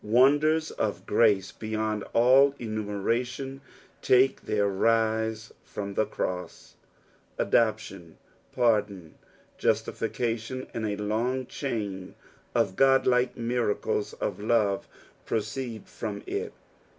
Wonders of grace beyond all enumeration take their rise from the cross ; adoption, pardon, justification, and a long chain of godlike niiracUs of love pro ceed from it.